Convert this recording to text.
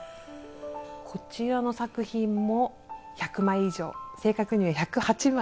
こちらの作品も１００枚以上正確には１０８枚。